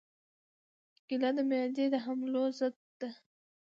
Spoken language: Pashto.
کېله د معدې د حملو ضد ده.